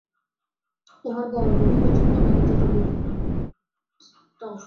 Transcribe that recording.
তোমার বড় দুদু পছন্দ না কি ছোট দুদু?